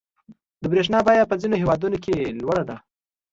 • د برېښنا بیه په ځینو هېوادونو کې لوړه ده.